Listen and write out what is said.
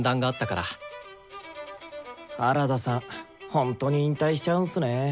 ほんとに引退しちゃうんすね。